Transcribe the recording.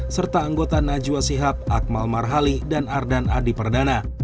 serta anggota najwa sihab akmal marhali dan ardan adi perdana